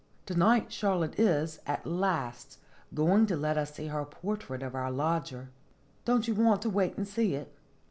To night Charlotte is, at last, going to let us see her portrait of our lodger. Don't you want to wait and see it?"